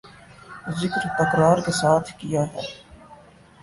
ذکر تکرار کے ساتھ کیا ہے